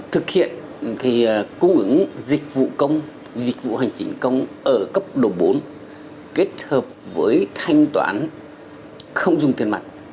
thực hiện cung ứng dịch vụ công dịch vụ hành chính công ở cấp độ bốn kết hợp với thanh toán không dùng tiền mặt